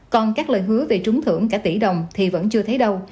còn các lời hứa về trúng thưởng cả tỷ đồng thì vẫn chưa thấy đâu